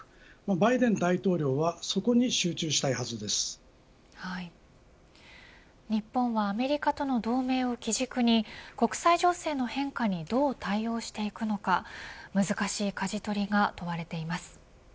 バイデン大統領は日本はアメリカとの同盟を基軸に国際情勢の変化にどう対応していくのか難しいかじ取りが問われています。